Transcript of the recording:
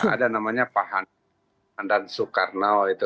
ada namanya pak handan soekarno itu